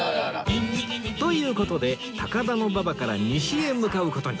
という事で高田馬場から西へ向かう事に